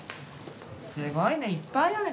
すごいねいっぱいあるよね。